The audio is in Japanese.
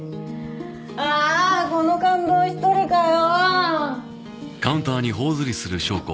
ああーこの感動１人かよ